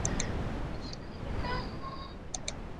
加拿大一直是亚裔拉丁美洲移民的热门目的地。